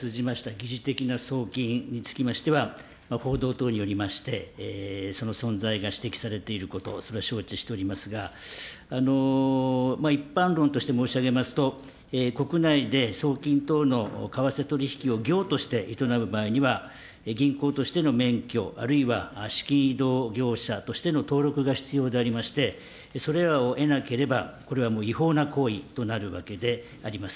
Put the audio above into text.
疑似的な送金につきましては、報道等によりまして、その存在が指摘されていること、それは承知しておりますが、一般論として申し上げますと、国内で送金等の為替取引を業として営む場合には、銀行としての免許あるいは資金移動業者としての登録が必要でありまして、それらを得なければ、これはもう違法な行為となるわけであります。